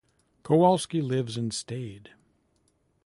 Kowalski lives in Stade.